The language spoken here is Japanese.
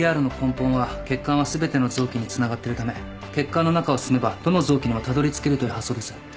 ＩＶＲの根本は血管は全ての臓器につながってるため血管の中を進めばどの臓器にもたどりつけるという発想です。